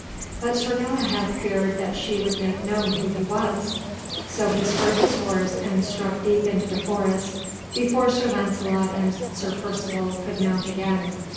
But Sir Galahad feared that she would make known who he was, so he spurred his horse and struck deep into the forest before Sir Lancelot and Sir Percivale could mount again.